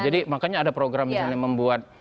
jadi makanya ada program misalnya membuat